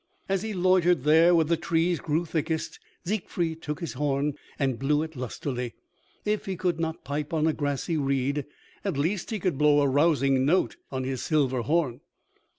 As he loitered there where the trees grew thickest, Siegfried took his horn and blew it lustily. If he could not pipe on a grassy reed, at least he could blow a rousing note on his silver horn.